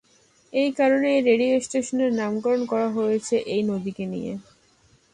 এই কারণে এই রেডিও স্টেশনের নামকরণ করা হয়েছে এই নদীকে নিয়ে।